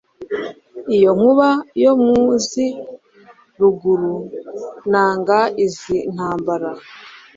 iyo nkuba yo mu zi Ruguru nanga izi ntambara